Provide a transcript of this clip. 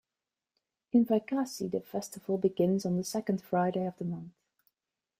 In Vaikasi, the festival begins on the second Friday of the month.